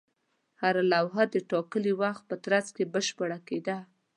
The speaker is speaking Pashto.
هره لوحه د ټاکلي وخت په ترڅ کې بشپړه کېده.